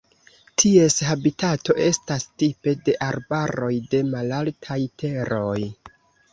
Ties habitato estas tipe de arbaroj de malaltaj teroj.